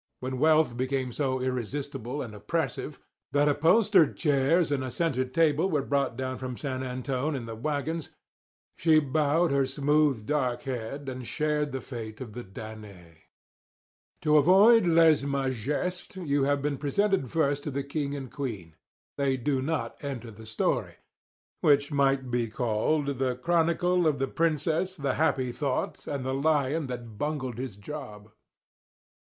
When wealth became so irresistible and oppressive that upholstered chairs and a centre table were brought down from San Antone in the wagons, she bowed her smooth, dark head, and shared the fate of the Danae. To avoid lèse majesté you have been presented first to the king and queen. They do not enter the story, which might be called "The Chronicle of the Princess, the Happy Thought, and the Lion that Bungled his Job."